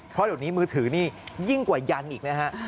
เพราะเดี๋ยวนี้มือถือนี่ยิ่งกว่ายันอีกนะฮะ